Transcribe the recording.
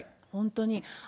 本当に。